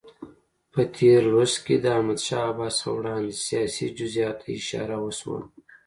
په تېر لوست کې د احمدشاه بابا څخه وړاندې سیاسي جزئیاتو ته اشاره وشوه.